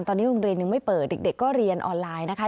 ตอนนี้โรงเรียนยังไม่เปิดเด็กก็เรียนออนไลน์นะคะ